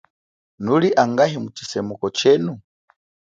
Nuli angahi mutshisemuko chenu ?